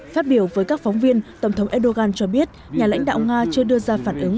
phát biểu với các phóng viên tổng thống erdogan cho biết nhà lãnh đạo nga chưa đưa ra phản ứng